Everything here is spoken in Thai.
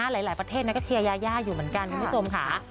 หลายประเทศก็เชียร์ยายาอยู่เหมือนกันคุณผู้ชมค่ะ